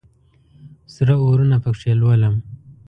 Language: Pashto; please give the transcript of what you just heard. سره اورونه پکښې لولم